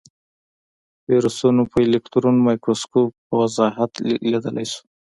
ویروسونه په الکترون مایکروسکوپ په وضاحت لیدلی شو.